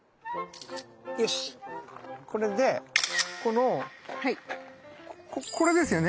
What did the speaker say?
よしこれでこのこれですよね？